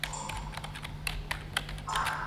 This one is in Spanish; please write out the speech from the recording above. Un furlong corresponde a un octavo de milla.